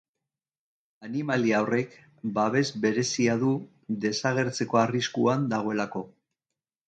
Animalia horrek babes berezia du desagertzeko arriskuan dagoelako.